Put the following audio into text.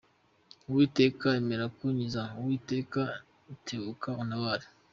Uwiteka emera kunkiza, Uwiteka tebuka untabare.